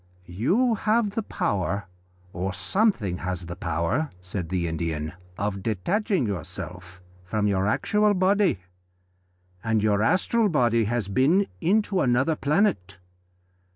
"You have the power, or something has the power," said the Indian, "of detaching you from your actual body, and your astral body has been into another planet.